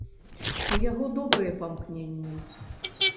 У яго добрыя памкненні.